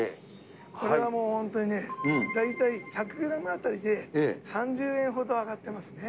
これはもう本当にね、大体１００グラムあたりで３０円ほど上がってますね。